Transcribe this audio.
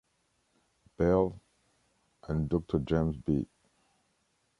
Bell, and Doctor JamesB.